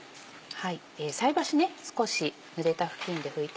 菜箸少しぬれた布巾で拭いて。